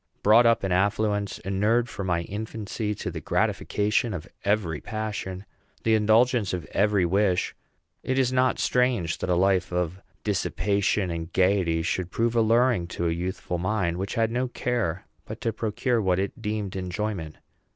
Brought up in affluence, inured from my infancy to the gratification of every passion, the indulgence of every wish, it is not strange that a life of dissipation and gayety should prove alluring to a youthful mind which had no care but to procure what is deemed enjoyment.